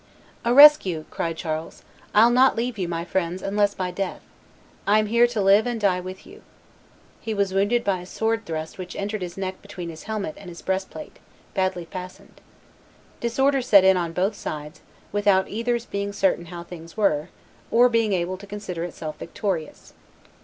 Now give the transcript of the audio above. "A rescue!" cried Charles; "I'll not leave you, my friends, unless by death: I am here to live and die with you." He was wounded by a sword thrust which entered his neck between his helmet and his breastplate, badly fastened. Disorder set in on both sides, without either's being certain how things were, or being able to consider itself victorious.